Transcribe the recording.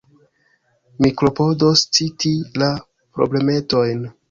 Mi klopodos citi la problemetojn.